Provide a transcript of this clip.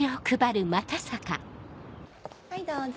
はいどうぞ。